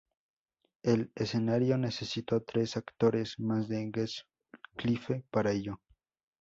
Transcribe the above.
El escenario necesitó tres actores más de Westlife para ello.